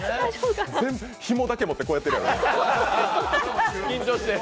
ひもだけ持ってこうやってるわ。